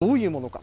どういうものか。